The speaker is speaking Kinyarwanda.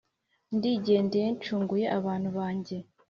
ndigendeye ncunguye abantu banjye.